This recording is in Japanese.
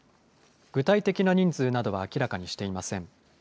具体的な人数などは明らかにしていません。